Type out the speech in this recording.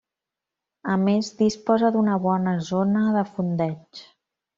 A més, disposa d'una bona zona de fondeig.